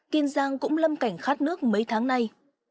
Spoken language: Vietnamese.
kiên giang cũng lâm cảnh khát nước mấy tháng nay